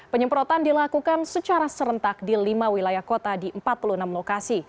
penyemprotan dilakukan secara serentak di lima wilayah kota di empat puluh enam lokasi